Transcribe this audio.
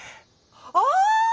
ああ！